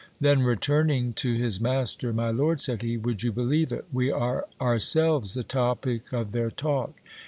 Then, returning to his master, My lord, said he, would you believe it ? We are ourselves the topic of their talk.